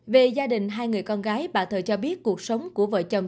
về gia đình hai người con gái bà thời cho biết cuộc sống của vợ chồng